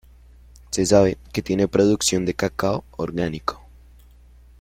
Se sabe que tiene producción de cacao orgánico.